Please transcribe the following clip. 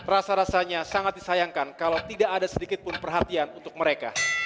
rasa rasanya sangat disayangkan kalau tidak ada sedikit pun perhatian untuk mereka